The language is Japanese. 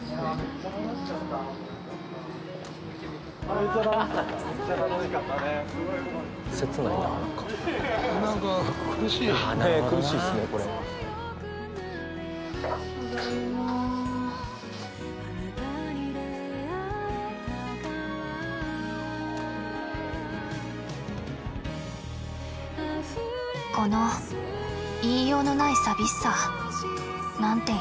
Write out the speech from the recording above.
この言いようのない寂しさなんて言う？